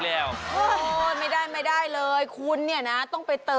กิจกรรมดีแบบนี้นั่นก็คือ